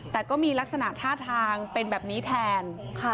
แต่ก็มีลักษณะท่าทางเป็นแบบนี้แทน